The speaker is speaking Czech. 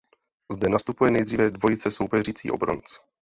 Zde nastupuje nejdříve dvojice soupeřící o bronz.